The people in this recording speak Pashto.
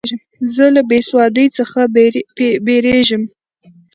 زه له بېسوادۍ څخه بېریږم.